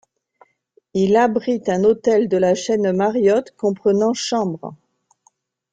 Il abrite un hôtel de la chaine Marriott comprenant chambres.